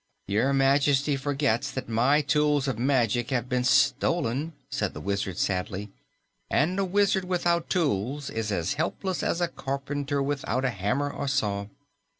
"Your Majesty forgets that my tools of magic have been stolen," said the Wizard sadly, "and a wizard without tools is as helpless as a carpenter without a hammer or saw."